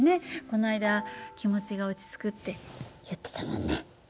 この間気持ちが落ち着くって言ってたもんね。